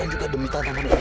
dan juga demi tanaman ini